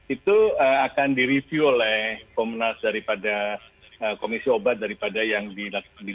itu akan direview oleh komnas daripada komisi obat daripada yang dilakukan di